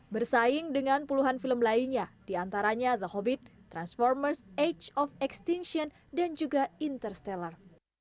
bersaing dengan puluhan film lainnya diantaranya the hobbit transformers age of extension dan juga interstiller